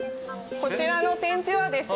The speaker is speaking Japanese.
こちらの展示はですね